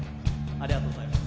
ありがとうございます。